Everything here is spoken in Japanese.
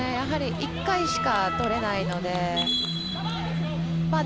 １回しか取れないので。